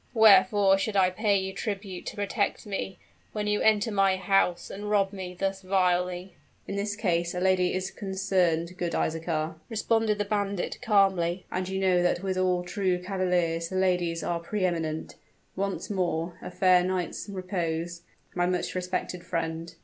"Wherefore should I pay you tribute to protect me, when you enter my house and rob me thus vilely?" "In this case a lady is concerned, good Isaachar," responded the bandit, calmly; "and you know that with all true cavaliers the ladies are pre eminent. Once more, a fair night's repose, my much respected friend."